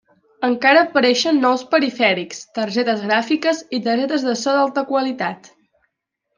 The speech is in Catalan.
Encara apareixen nous perifèrics, targetes gràfiques i targetes de so d'alta qualitat.